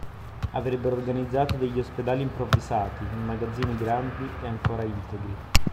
Avrebbero organizzato degli ospedali improvvisati, in magazzini grandi e ancora integri